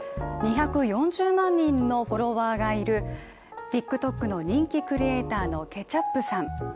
２４０万人のフォロワーがいるＴｉｋＴｏｋの人気クリエーターのケチャップさん。